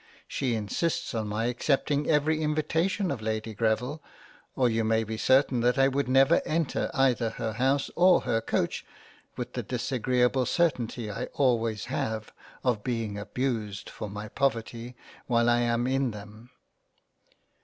She insists on my accepting every invitation of Lady Greville, or you may be certain that I would never enter either her House, or her Coach with the disagreable certainty I always have of being abused for my Poverty while I am in them.